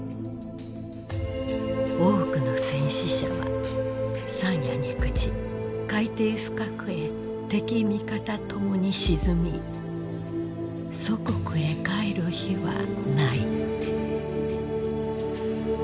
多くの戦死者は山野に朽ち海底深くへ敵味方ともに沈み祖国へ還る日はない」。